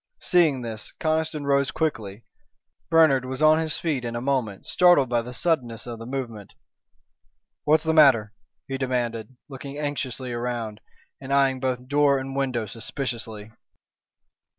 Seeing this, Conniston rose quickly. Bernard was on his feet in a moment, startled by the suddenness of the movement. "What's the matter?" he demanded, looking anxiously around, and eyeing both door and window suspiciously.